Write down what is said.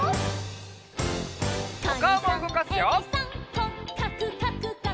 「こっかくかくかく」